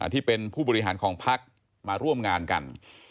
ที่เป็นผู้บริหารของพักมาร่วมงานกัน